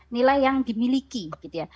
nilai yang dimiliki gitu ya